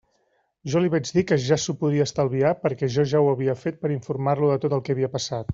Jo li vaig dir que ja s'ho podia estalviar perquè jo ja ho havia fet per informar-lo de tot el que havia passat.